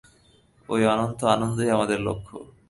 ঐ অনন্ত আনন্দই আমাদের লক্ষ্য।